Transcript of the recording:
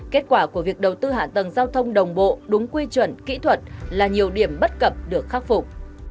kết quả của việc đầu tư hạ tầng giao thông đồng bộ đúng quy chuẩn kỹ thuật là nhiều điểm bất cập được khắc phục